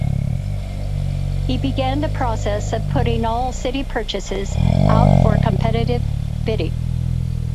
He began the process of putting all city purchases out for competitive bidding.